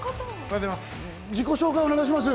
自己紹介、お願いします。